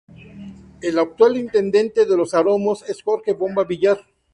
El actual intendente de Los Aromos es Jorge "Bomba" Villar.